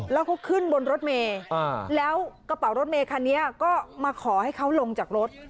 แล้วเขาขึ้นบนรถเมย์แล้วกระเป๋ารถเมคันนี้ก็มาขอให้เขาลงจากรถ